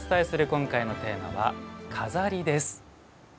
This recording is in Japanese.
今回のテーマは「錺」です。